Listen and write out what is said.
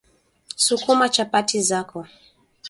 sukuma chapati zako